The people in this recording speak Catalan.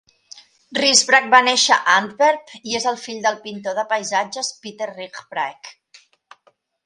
Rysbrack va néixer a Antwerp, i és el fill del pintor de paisatges Pieter Rijsbraeck.